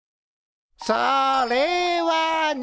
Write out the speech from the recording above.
それはね。